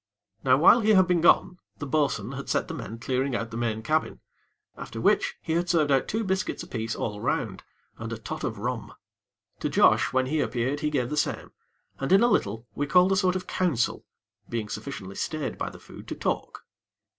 Now while he had been gone, the bo'sun had set the men to clearing out the main cabin; after which, he had served out two biscuits apiece all round, and a tot of rum. To Josh, when he appeared, he gave the same, and, in a little, we called a sort of council; being sufficiently stayed by the food to talk.